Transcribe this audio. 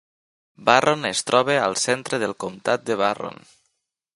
Barron es troba al centre del comtat de Barron.